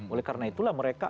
oleh karena itulah mereka